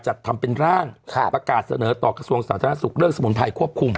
จัดทำเป็นร่างประกาศเสนอต่อกระทรวงสาธารณสุขเรื่องสมุนไพรควบคุม